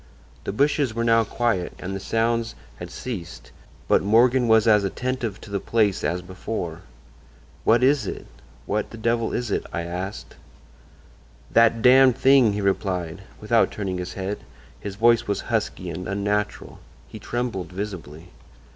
"The bushes were now quiet and the sounds had ceased, but Morgan was as attentive to the place as before. "'What is it? What the devil is it?' I asked. "'That Damned Thing!' he replied, without turning his head. His voice was husky and unnatural. He trembled visibly.